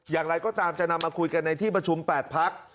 อย่างไรก็ตามจะนำมาคุยกันในที่ประชุม๘พัก